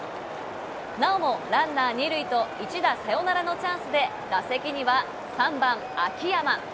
なおもランナー２塁と、一打サヨナラのチャンスで打席には３番秋山。